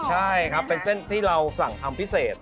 ใช่ครับเป็นเส้นที่เราสั่งทำพิเศษ